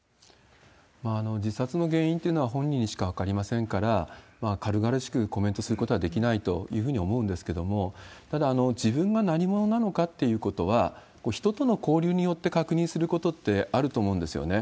自殺の原因っていうのは本人にしか分かりませんから、軽々しくコメントすることはできないというふうに思うんですけれども、ただ、自分が何者なのかってことは、人との交流によって確認することってあると思うんですよね。